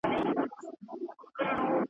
يوه ورځ ابليس راټول كړل اولادونه `